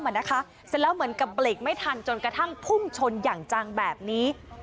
เสร็จแล้วเหมือนกับเบรกไม่ทันจนกระทั่งพุ่งชนอย่างจังแบบนี้